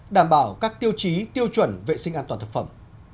đảm bảo các tiêu chí tiêu chuẩn vệ sinh an toàn thực phẩm